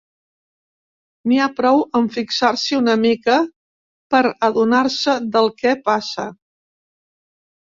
N'hi ha prou amb fixar-s'hi una mica per adonar-se del que passa.